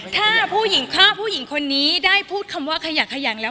ถ้าผู้หญิงฆ่าผู้หญิงคนนี้ได้พูดคำว่าขยักขยันแล้ว